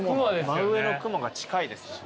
真上の雲が近いです。